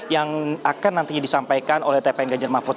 yang akan nantinya disampaikan oleh tpn ganjar mahfud